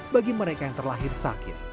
bagi mereka yang terlahir sakit